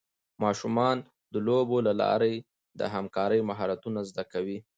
ماشومان د لوبو له لارې د همکارۍ مهارتونه زده کوي.